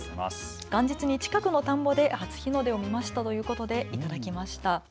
元日に近くの田んぼで初日の出を見ましたということで頂きました。